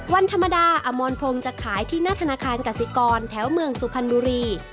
วันธรรมดาอมรพงศ์จะขายที่หน้าธนาคารกสิกรแถวเมืองสุพรรณบุรี